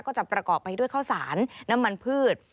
ประกอบไปด้วยข้าวสารน้ำมันพืช